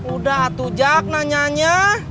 udah atu jak nanyanya